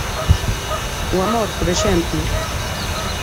O amor, por exemplo.